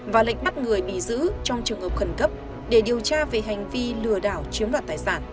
và lệnh bắt người bị giữ trong trường hợp khẩn cấp để điều tra về hành vi lừa đảo chiếm đoạt tài sản